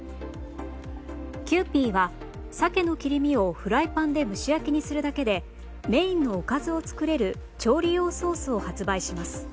キユーピーは鮭の切り身をフライパンで蒸し焼きにするだけでメインのおかずを作れる調理用ソースを発売します。